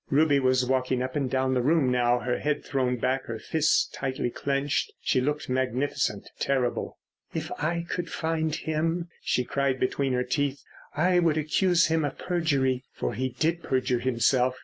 Ruby was walking up and down the room now, her head thrown back, her fists tightly clenched. She looked magnificent, terrible. "If I could find him," she cried between her teeth, "I would accuse him of perjury. For he did perjure himself.